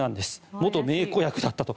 元名子役だったと。